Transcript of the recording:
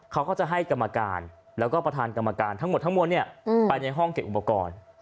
เขาก็จะให้กรรมการแล้วก็ประธานกรรมการทั้งหมดทั้งมวลไปในห้องเก็บอุปกรณ์